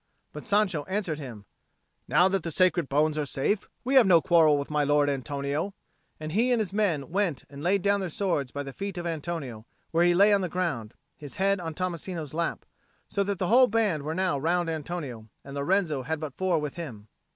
But Sancho answered him, "Now that the sacred bones are safe, we have no quarrel with my lord Antonio;" and he and his men went and laid down their swords by the feet of Antonio, where he lay on the ground, his head on Tommasino's lap. So that the whole band were now round Antonio, and Lorenzo had but four with him.